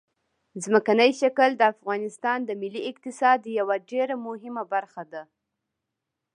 ځمکنی شکل د افغانستان د ملي اقتصاد یوه ډېره مهمه برخه ده.